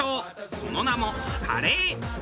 その名もカレー。